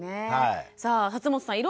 さあ本さん